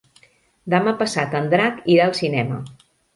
Demà passat en Drac irà al cinema.